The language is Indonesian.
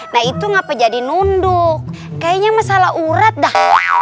nah itu ngapa jadi nunduk kayaknya masalah urat dah